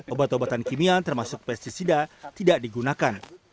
obat obatan kimia termasuk pesticida tidak digunakan